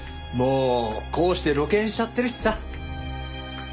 もうこうして露見しちゃってるしさ。